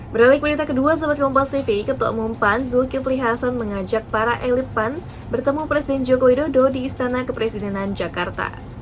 berita kedua sobatkompastv ketemu pan zulkifli hasan mengajak para elit pan bertemu presiden joko widodo di istana kepresidenan jakarta